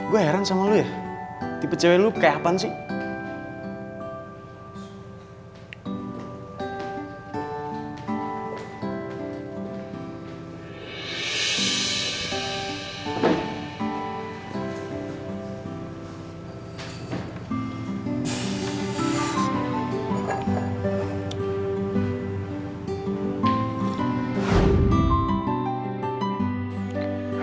gua heran sama lo ya tipe cewek lo kayak apaan sih